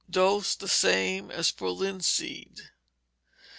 Dose, the same as for linseed.